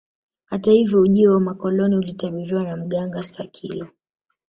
Hata hivyo ujio wa wakoloni ulitabiriwa na mganga Sakilo